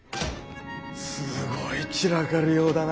すごい散らかりようだな。